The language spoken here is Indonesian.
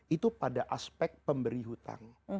itu pada aspek pemberi hutang